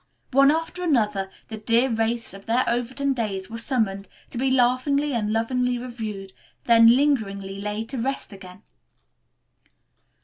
One after another the dear wraiths of their Overton days were summoned, to be laughingly and lovingly reviewed, then lingeringly laid to rest again.